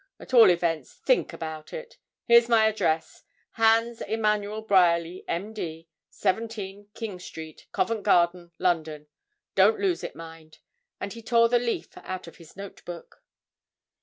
At all events, think about it. Here's my address Hans Emmanuel Bryerly, M.D., 17 King Street, Covent Garden, London don't lose it, mind,' and he tore the leaf out of his note book.